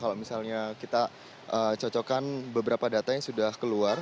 kalau misalnya kita cocokkan beberapa data yang sudah keluar